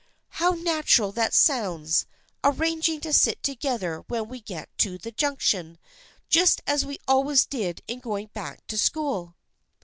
" How natural that sounds, arranging to sit together when we get to the Junction, just as we always did in going back to school."